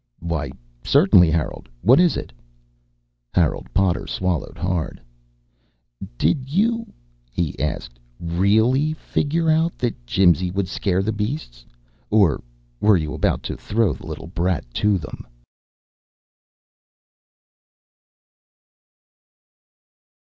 "Why certainly, Harold, what is it?" Harold Potter swallowed hard. "Did you," he asked, "really figure out that Jimsy would scare the beasts or were you about to throw the little brat to them?"